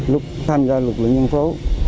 lúc tham gia lực lượng nhân phố